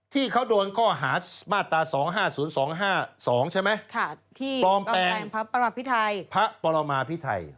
ที่เขาโดนข้อหามาตรา๒๕๐๒๕๒ใช่ไหมที่ปลอมแปลงพระปรมาพิไทย